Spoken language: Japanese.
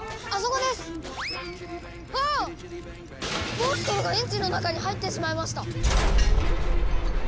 モンストロがエンジンの中に入ってしまいました！